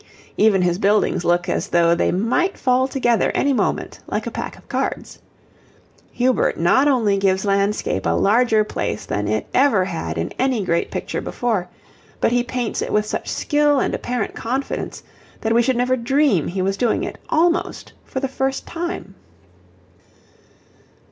Even his buildings look as though they might fall together any moment like a pack of cards. Hubert not only gives landscape a larger place than it ever had in any great picture before, but he paints it with such skill and apparent confidence that we should never dream he was doing it almost for the first time.